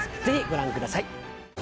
ぜひご覧ください